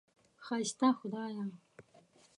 ښایسته خدایه!